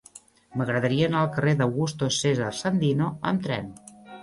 M'agradaria anar al carrer d'Augusto César Sandino amb tren.